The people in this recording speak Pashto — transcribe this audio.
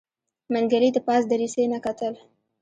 منګلي د پاس دريڅې نه کتل.